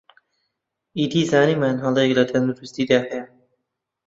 ئیدی زانیمان هەڵەیەک لە تەندروستیدا هەیە